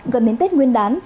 gần đến tết nguyên đán